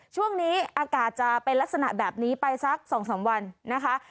ช่วงนี้อากาศจะเป็นลักษณะแบบนี้ไปสัก๒๓วันนะคะ